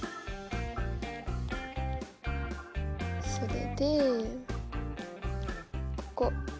それでここ。